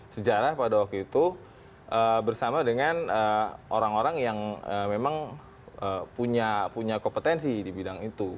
sejarah pada waktu itu bersama dengan orang orang yang memang punya kompetensi di bidang itu